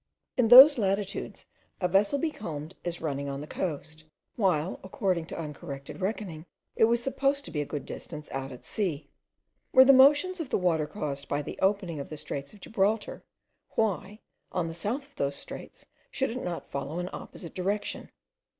In those latitudes a vessel becalmed is running on the coast, while, according to the uncorrected reckoning, it was supposed to be a good distance out at sea. Were the motion of the waters caused by the opening at the straits of Gibraltar, why, on the south of those straits, should it not follow an opposite direction?